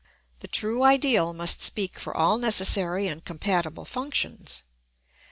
The true ideal must speak for all necessary and compatible functions.